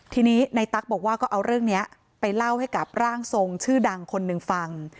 ทีนี้ในตั๊กบอกว่าก็เอาเรื่องนี้ไปเล่าให้กับร่างทรงชื่อดังคนหนึ่งฟัง